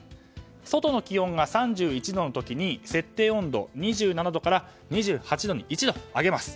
外の気温が３１度の時に設定温度を２７度から２８度に１度上げます。